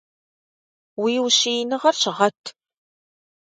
Уи ущииныгъэр щыгъэт!